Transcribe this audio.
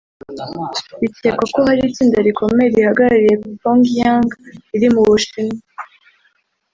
bikekwa ko hari itsinda rikomeye rihagarariye Pyongyang riri mu Bushinwa